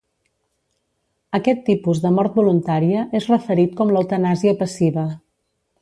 Aquest tipus de mort voluntària és referit com l'eutanàsia passiva.